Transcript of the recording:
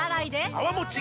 泡もち